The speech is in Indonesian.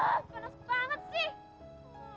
wah panas banget sih